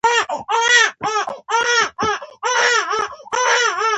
باز چی خپله ځاله پریږدی ځای یی دباچا منګول شی .